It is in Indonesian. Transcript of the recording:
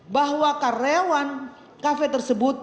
bahwa karyawan cafe tersebut